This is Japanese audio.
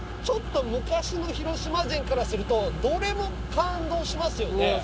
ちょっと昔の広島人からするとどれも感動しますよね